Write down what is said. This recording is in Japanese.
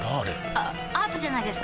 あアートじゃないですか？